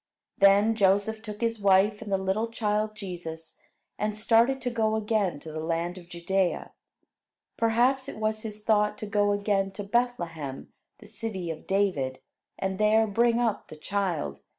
Then Joseph took his wife and the little child Jesus, and started to go again to the land of Judea. Perhaps it was his thought to go again to Bethlehem, the city of David, and there bring up the child.